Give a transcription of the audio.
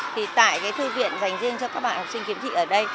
thì tại cái thư viện dành riêng cho các bạn học sinh kiếm thị ở đây